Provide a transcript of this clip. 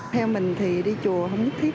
theo mình thì đi chùa không nhất thiết